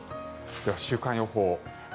では、週間予報。